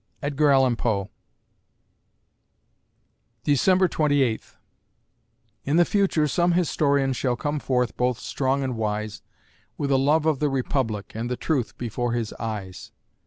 EDGAR ALLAN POE December Twenty Eighth In the future some historian shall come forth both strong and wise, With a love of the Republic, and the truth, before his eyes.